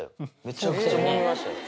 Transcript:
めちゃくちゃもめましたよ